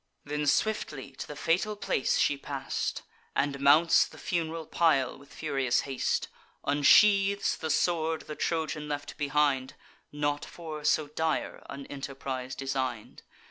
Then swiftly to the fatal place she pass'd, And mounts the fun'ral pile with furious haste; Unsheathes the sword the Trojan left behind (Not for so dire an enterprise design'd).